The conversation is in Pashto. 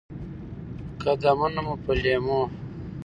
قدمونه مو په لېمو،